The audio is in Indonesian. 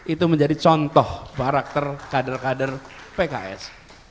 itu menjadi contoh karakter kader kader pks